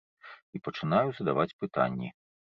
І пачынаю задаваць пытанні.